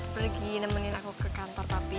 pergi nemenin aku ke kantor pak fi